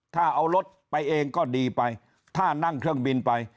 ถ้าเอารถไปเองก็ดีไปถ้านั่งเครื่องบินไป